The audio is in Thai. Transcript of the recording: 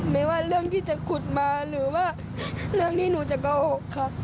ไม่ว่าเรื่องที่จะขุดมาหรือว่าเรื่องที่หนูจะโกหกค่ะ